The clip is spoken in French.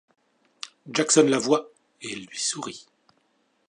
Jackson la voit et elle lui sourit.